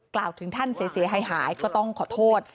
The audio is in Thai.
กล่าวถึงท่านเสียหายก็ต้องขอโทษ